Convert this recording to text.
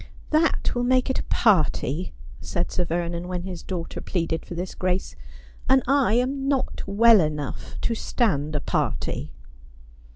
' That will make it a party,' said Sir Vernon, when his daugh ter pleaded for this grace, ' and I am not well enough to stand a party.'